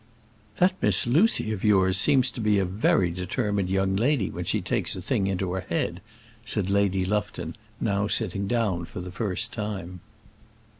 "That Miss Lucy of yours seems to be a very determined young lady when she takes a thing into her head," said Lady Lufton, now sitting down for the first time.